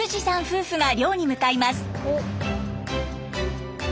夫婦が漁に向かいます。